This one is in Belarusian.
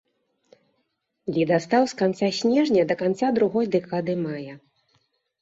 Ледастаў з канца снежня да канца другой дэкады мая.